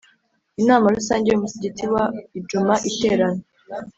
Inama Rusange y Umusigiti wa Idjuma iterana